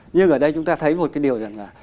nhưng ở đây chúng ta thấy một cái điều rằng là